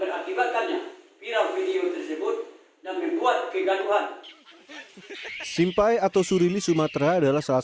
berakibatkan nya viral video tersebut dan membuat keganuhan simpai atau surimi sumatera adalah salah